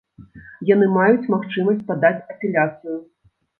Яны маюць магчымасць падаць апеляцыю.